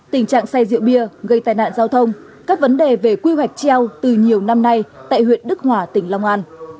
tình trạng xe rượu bia gây tai nạn giao thông các vấn đề về quy hoạch treo từ nhiều năm nay tại huyện đức hòa tỉnh long an